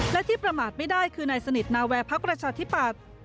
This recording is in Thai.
และที่ประมาทไม่ได้คือนายสนิทนาแวร์พักประชาธิปัตย์